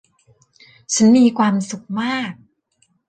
ฉันมีความสุขมาก !